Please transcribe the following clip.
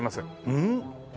「うん？」